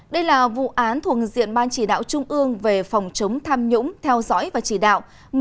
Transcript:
đây là vụ án thuộc diện ban chỉ đạo trung ương về phòng chống tham nhũng theo dõi và chỉ đạo